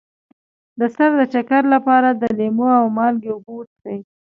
د سر د چکر لپاره د لیمو او مالګې اوبه وڅښئ